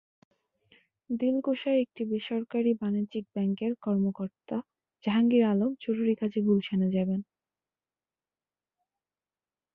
দিলকুশায় একটি বেসরকারি বাণিজ্যিক ব্যাংকের কর্মকর্তা জাহাঙ্গীর আলম জরুরি কাজে গুলশানে যাবেন।